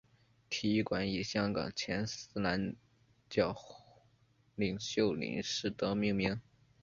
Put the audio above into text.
体育馆以香港前伊斯兰教领袖林士德命名。